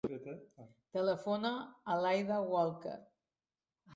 Telefona a l'Aïda Walker.